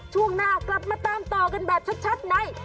ช่วงหน้ากลับมาตามต่อกันแบบชัดใน